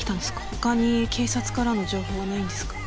他に警察からの情報はないんですか？